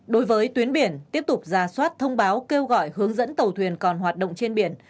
đối với tuyến biển tiếp tục ra soát thông báo kêu gọi hướng dẫn tàu thuyền còn hoạt động trên biển